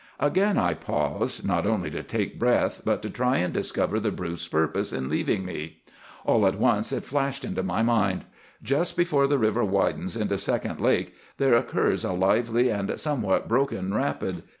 "Again I paused, not only to take breath, but to try and discover the brute's purpose in leaving me. All at once it flashed into my mind. Just before the river widens into Second Lake, there occurs a lively and somewhat broken rapid.